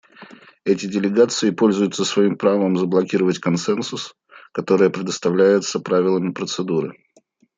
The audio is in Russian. Эти делегации пользуются своим правом заблокировать консенсус, которое предоставляется Правилами процедуры.